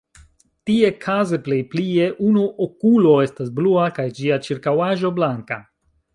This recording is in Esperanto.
Tie kaze plej plie unu okulo estas blua, kaj ĝia ĉirkaŭaĵo blanka.